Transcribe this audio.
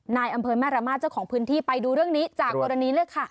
นายอำเภอแม่ระมาทเจ้าของพื้นที่ไปดูเรื่องนี้จากกรณีเลยค่ะ